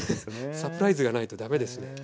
サプライズがないとだめですね。